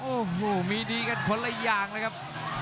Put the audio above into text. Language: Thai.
โอ้โหมีดีกันคนละอย่างเลยครับ